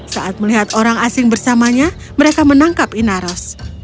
saat melihat orang asing bersamanya mereka menangkap inaros